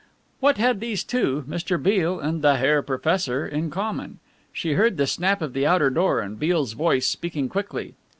What had these two, Mr. Beale and the "Herr Professor," in common? She heard the snap of the outer door, and Beale's voice speaking quickly.